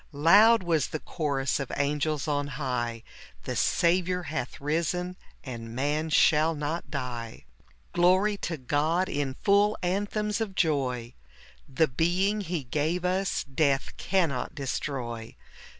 Loud was the chorus of angels on high, — "The Saviour hath risen, and man shall not die." Glory to God, in full anthems of joy ! The being He gave us death cannot destroy.